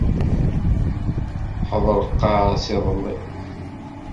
Hedreq-as iḍelli.